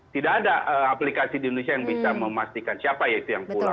tidak ada aplikasi di indonesia yang bisa memastikan siapa yaitu yang pulang